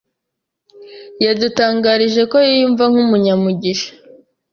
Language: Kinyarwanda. yadutangarije ko yiyumva nk’umunyamugisha